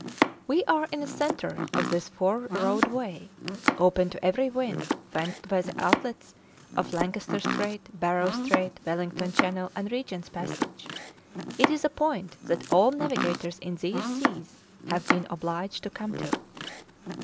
"We are in the centre of this four road way, open to every wind, fenced by the outlets of Lancaster Strait, Barrow Strait, Wellington Channel, and Regent's Passage; it is a point that all navigators in these seas have been obliged to come to."